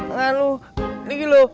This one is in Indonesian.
nggak lu ini loh